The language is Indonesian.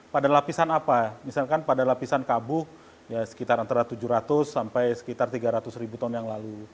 pada lapisan apa misalkan pada lapisan kabuh ya sekitar antara tujuh ratus sampai sekitar tiga ratus ribu ton yang lalu